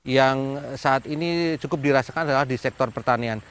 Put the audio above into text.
yang saat ini cukup dirasakan adalah di sektor pertanian